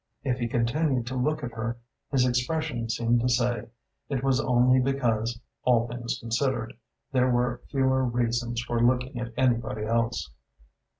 If he continued to look at her, his expression seemed to say, it was only because, all things considered, there were fewer reasons for looking at anybody else.